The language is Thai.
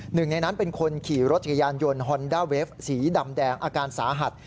หนึ่งในนั้นเป็นคนขี่รถจักรยานยนต์ฮอนด้าเวฟสีดำแดงอาการสาหัส